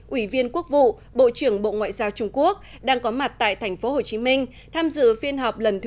ủy viên quốc vụ bộ trưởng bộ ngoại giao trung quốc đang có mặt tại tp hcm tham dự phiên họp lần thứ một mươi một